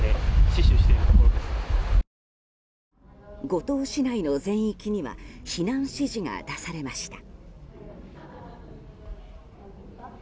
五島市内の全域には避難指示が出されました。